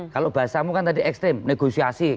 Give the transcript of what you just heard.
kalau bahasamu kan tadi ekstrim negosiasi